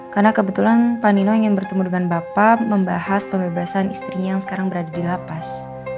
karena kebetulan pak nino ingin bertemu dengan bapak membahas pembebasan istrinya yang sekarang berada di lapas